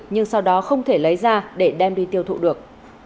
nhưng sau đó không thể lấy ra để đem đi tiêu thụ được